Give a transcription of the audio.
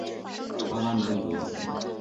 阿拉门戈。